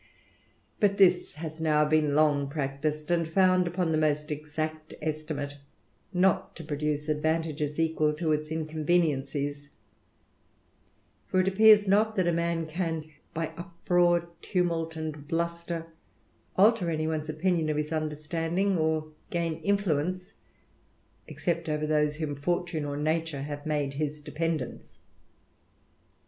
But this has now been long practised, an found, upon the most exact estimate, not to prodw advantages equal to its inconveniencies \ for it appears n( that a man can by uproar, tumult, and bluster, alter one's opinion of his understanding, or gain iofiuen< except over those whom fortune or nature have made dependents.